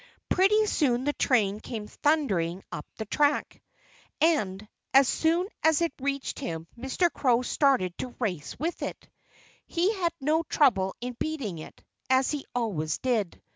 Pretty soon the train came thundering up the track. And as soon as it reached him Mr. Crow started to race with it. He had no trouble in beating it, as he always did.